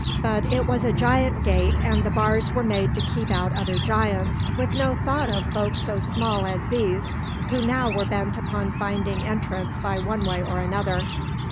But it was a giant gate, and the bars were made to keep out other giants, with no thought of folk so small as these who now were bent upon finding entrance by one way or another.